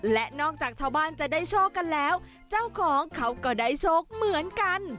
และนอกจากชาวบ้านจะได้โชคกันแล้วเจ้าของเขาก็ได้โชคเหมือนกัน